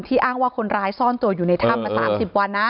อ้างว่าคนร้ายซ่อนตัวอยู่ในถ้ำมา๓๐วันนะ